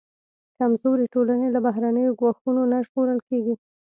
کمزورې ټولنې له بهرنیو ګواښونو نه ژغورل کېږي.